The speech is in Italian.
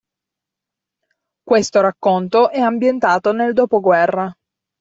Questo racconto è ambientato nel dopoguerra.